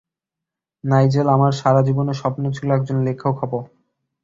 Nigel, আমার সারা জীবনের স্বপ্ন ছিল একজন লেখক হবো।